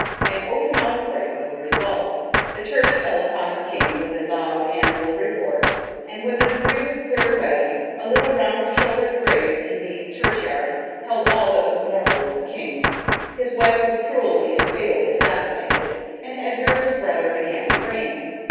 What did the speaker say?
An open outbreak was the result. The Church fell upon the King with a loud, annual report, and when the débris was cleared away, a little round shouldered grave in the churchyard held all that was mortal of the king. His wife was cruelly and fatally assassinated, and Edgar, his brother, began to reign.